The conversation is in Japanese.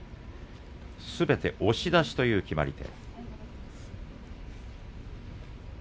すべて押し出しという決まり手。